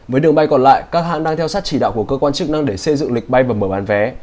với đường bay còn lại các hãng đang theo sát chỉ đạo của cơ quan chức năng để xây dựng lịch bay và mở bán vé